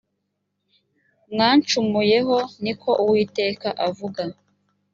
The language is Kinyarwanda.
mwancumuyeho ni ko uwiteka avuga